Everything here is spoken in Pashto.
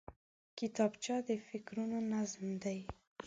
کتابچه د فکرونو نظم دی